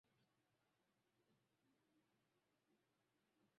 Huingiza fedha nyingi kutokana na kuwa na vivutio vya kila namna katika hifadhi hiyo